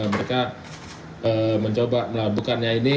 mereka mencoba melaburkannya ini